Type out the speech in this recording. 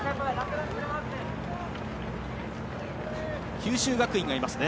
九州学院がいますね。